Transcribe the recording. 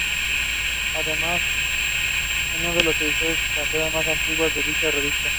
Además, es una de las ediciones extranjeras más antiguas de dicha revista.